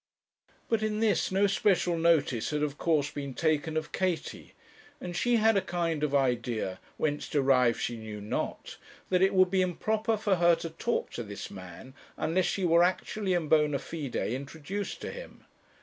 But in this no special notice had of course been taken of Katie; and she had a kind of idea, whence derived she knew not, that it would be improper for her to talk to this man, unless she were actually and bona fide introduced to him.